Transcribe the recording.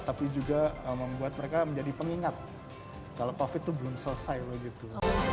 tapi juga membuat mereka menjadi pengingat kalau covid itu belum selesai begitu